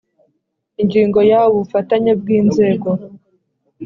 Ingingo ya ubufatanye bw inzego